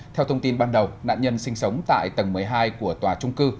theo thông tin ban đầu nạn nhân sinh sống tại tầng một mươi hai của tòa trung cư